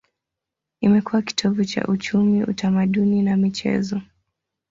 Imekuwa kitovu cha uchumi, utamaduni na michezo.